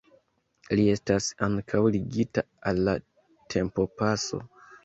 Li estas ankaŭ ligita al la tempopaso.